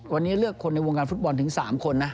วันนี้เลือกคนในวงการฟุตบอลถึง๓คนนะ